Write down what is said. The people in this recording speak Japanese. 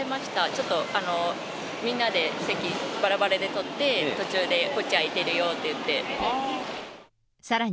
ちょっと、みんなで席、ばらばらで取って、途中でこっち空いてるよって言って。